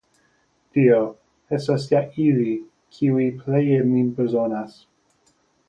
Dio, estas ja ili, kiuj pleje min bezonas.